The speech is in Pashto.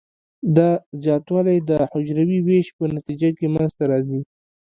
دا زیاتوالی د حجروي ویش په نتیجه کې منځ ته راځي.